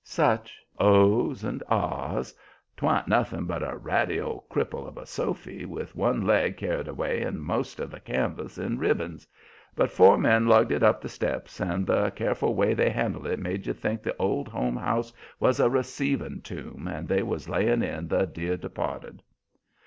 Such ohs and ahs! 'Twan't nothing but a ratty old cripple of a sofy, with one leg carried away and most of the canvas in ribbons, but four men lugged it up the steps and the careful way they handled it made you think the Old Home House was a receiving tomb and they was laying in the dear departed.